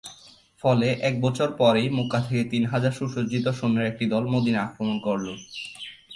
ফলে এক বছর পরই মক্কা থেকে তিন হাজার সুসজ্জিত সৈন্যের একটি দল মদীনা আক্রমণ করলো।